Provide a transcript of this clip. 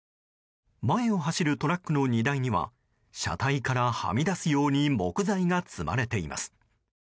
前を走るトラックの荷台には車体からはみ出すように木材が積まれています。